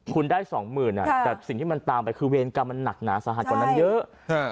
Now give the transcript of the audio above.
คุณได้สองหมื่นแต่สิ่งที่มันตามไปคือเวรกรรมมันหนักหนาสาหัสกว่านั้นเยอะ